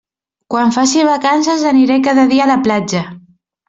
Quan faci vacances aniré cada dia a la platja.